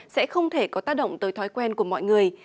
sẽ không thể có tác động tới thói quen của mọi người